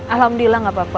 alhamdulillah gak apa apa